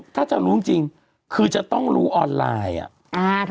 ถ้าจะรู้จริงคือจะต้องรู้ออนไลน์อ่ะ